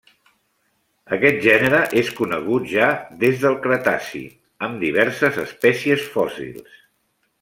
Aquest gènere és conegut ja des del Cretaci amb diverses espècies fòssils.